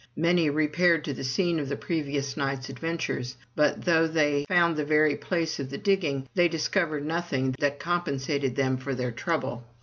Many repaired to the scene of the previous night's adventures; but though they found the very place of the digging, they discovered nothing that compensated them for their trouble.